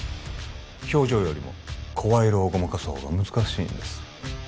表情よりも声色をごまかす方が難しいんです